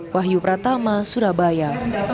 wahyu pratama surabaya